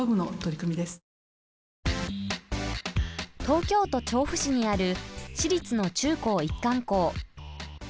東京都調布市にある私立の中高一貫校。